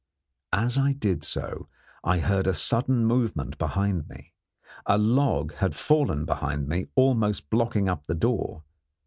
As I did so I heard a sudden movement behind me. A log had fallen behind me, almost blocking up the door.